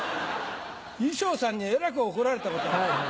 衣装さんにえらく怒られたことがあって。